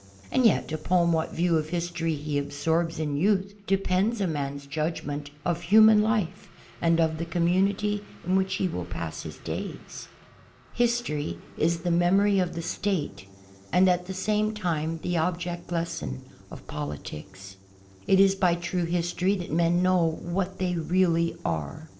And yet, upon what view of history he absorbs in youth depends a man's judgment of human life and of the community in which he will pass his days. History is the memory of the State and at the same time the object lesson of politics. It is by true history that men know what they really are.